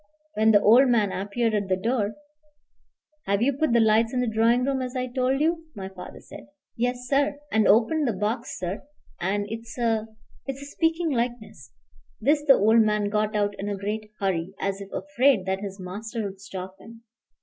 When the old man appeared at the door "Have you put the lights in the drawing room, as I told you?" my father said. "Yes, sir; and opened the box, sir; and it's a it's a speaking likeness " This the old man got out in a great hurry, as if afraid that his master would stop him.